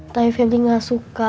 tapi febri gak suka